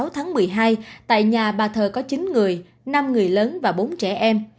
một mươi sáu tháng một mươi hai tại nhà bà thờ có chín người năm người lớn và bốn trẻ em